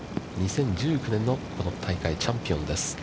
２０１９年のこの大会チャンピオンです。